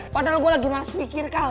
padahal gue lagi males mikir kan